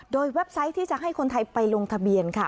โดยเว็บไซต์ที่จะให้คนไทยไปลงทะเบียนค่ะ